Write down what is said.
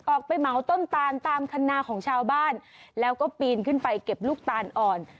เหมาต้นตานตามคันนาของชาวบ้านแล้วก็ปีนขึ้นไปเก็บลูกตาลอ่อน